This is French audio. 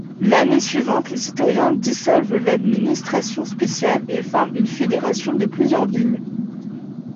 L'année suivante, les citoyens dissolvent l'administration spéciale et forment une fédération de plusieurs villes.